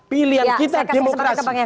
pilihan kita demokrasi